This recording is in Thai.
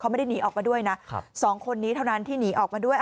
ไม่ได้หนีออกมาด้วยนะสองคนนี้เท่านั้นที่หนีออกมาด้วย